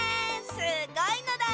すごいのだ！